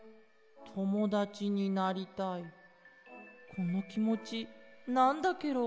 このきもちなんだケロ？